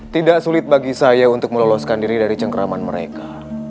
tidak sulit bagi saya untuk meloloskan diri dari cengkraman mereka